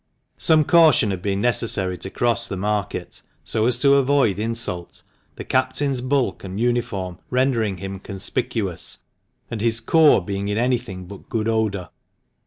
Some caution had been necessary to cross the Market, so as to avoid insult, the captain's bulk and uniform rendering him conspicuous, and his corps being in anything but good odour.